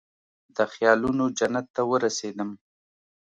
د خیالونوجنت ته ورسیدم